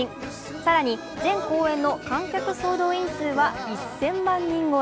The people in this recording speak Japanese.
更に全公演の観客総動員数は１０００万人超え。